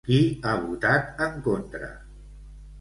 Qui ha votat en contra?